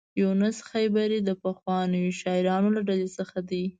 یونس خیبري د پخوانیو شاعرانو له ډلې څخه دی.